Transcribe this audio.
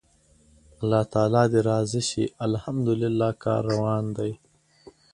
الله تعالی دې راضي شي، الحمدلله کار روان دی.